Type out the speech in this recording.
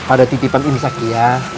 ada titipan ibn sakyah